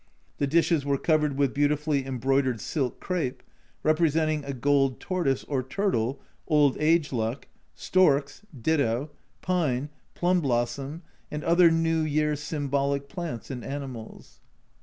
The dishes were covered with beautifully embroidered silk crape, representing a gold tortoise or turtle (old age luck), storks (ditto), pine, plum blossom, and other New Year symbolic plants and animals.